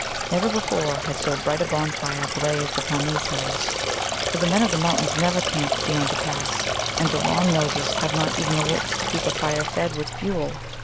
Never before had so bright a bonfire blazed upon these hills. For the Men of the Mountains never camp beyond the pass, and the Long noses have not even the wits to keep a fire fed with fuel.